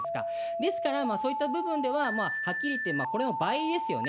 ですから、そういった部分では、はっきり言って、これは倍ですよね。